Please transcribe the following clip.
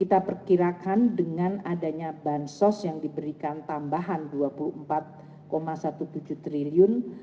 kita perkirakan dengan adanya bansos yang diberikan tambahan rp dua puluh empat tujuh belas triliun